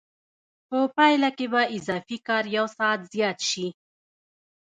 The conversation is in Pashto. په پایله کې به اضافي کار یو ساعت زیات شي